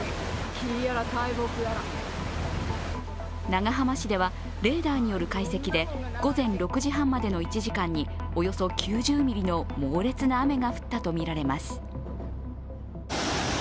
長浜市ではレーダーによる解析で午前６時半までの１時間におよそ９０ミリの猛烈な雨が降ったとみられます。